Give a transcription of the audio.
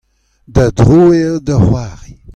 da dro eo da c'hoari.